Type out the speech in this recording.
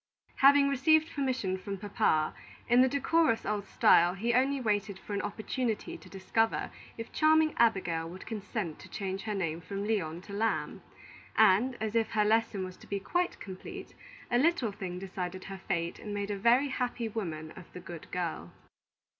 Having received permission from Papa, in the decorous old style, he only waited for an opportunity to discover if charming Abigail would consent to change her name from Lyon to Lamb; and, as if her lesson was to be quite complete, a little thing decided her fate and made a very happy woman of the good girl.